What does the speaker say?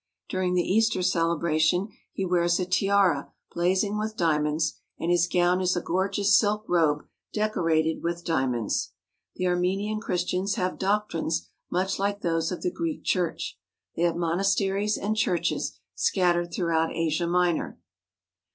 During the Easter celebration he wears a tiara blazing with diamonds and his gown is a gorgeous silk robe decorated with diamonds. The Ar menian Christians have doctrines much like those of the Greek Church. They have monasteries and churches scattered throughout Asia Minor.